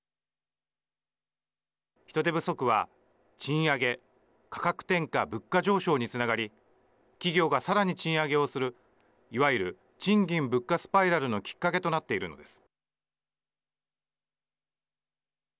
人手不足は賃上げ価格転嫁・物価上昇につながり企業がさらに賃上げをするいわゆる賃金・物価スパイラルのきっかけとなっているのです。